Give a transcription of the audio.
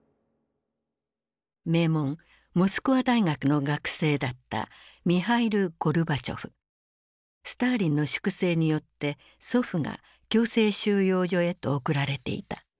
名門モスクワ大学の学生だったスターリンの粛清によって祖父が強制収容所へと送られていた。